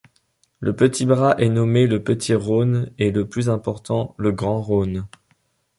Le petit bras est nommé le Petit-Rhône et le plus important le Grand-Rhône.